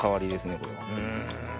これは。